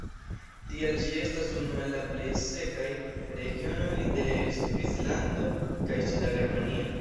Tial ĝi estas unu el la plej sekaj regionoj de Svislando kaj suda Germanio.